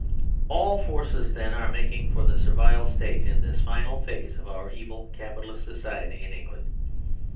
All forces, then, are making for the Servile State in this the final phase of our evil Capitalist society in England.